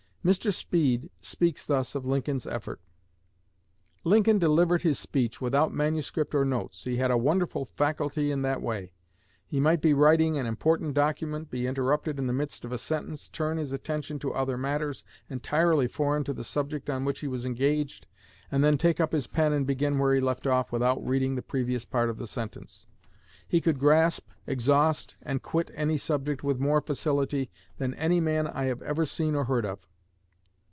Mr. Speed speaks thus of Lincoln's effort: "Lincoln delivered his speech without manuscript or notes. He had a wonderful faculty in that way. He might be writing an important document, be interrupted in the midst of a sentence, turn his attention to other matters entirely foreign to the subject on which he was engaged, and then take up his pen and begin where he left off without reading the previous part of the sentence. He could grasp, exhaust, and quit any subject with more facility than any man I have ever seen or heard of."